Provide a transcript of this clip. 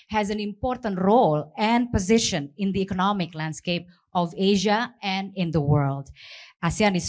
yang memiliki peran dan posisi yang penting di lanskap ekonomi asia dan di dunia